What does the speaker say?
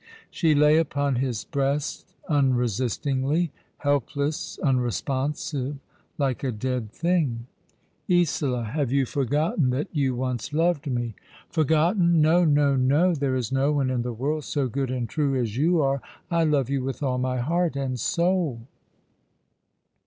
She lay upon his breast unresistingly ; helpless, unresponsive, like a dead thing. " Isola, have you forgotten that you once loved me ?" f ' Forgotten ! No, no, no ! There is no one in the world so good and true as you are. I love you with all my heart and soul."